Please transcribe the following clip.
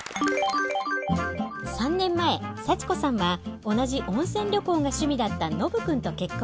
３年前サチコさんは同じ温泉旅行が趣味だったノブ君と結婚。